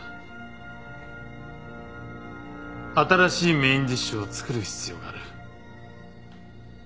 新しいメインディッシュを作る必要がある。